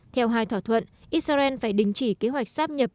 theo hai thỏa thuận israel phải đình chỉ kế hoạch sáp nhập